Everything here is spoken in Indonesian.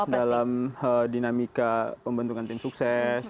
dalam dinamika pembentukan tim sukses